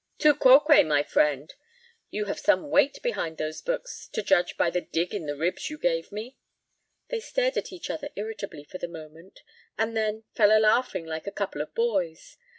"Tu quoque, my friend; you have some weight behind those books, to judge by the dig in the ribs you gave me." They stared at each other irritably for the moment, and then fell a laughing like a couple of boys.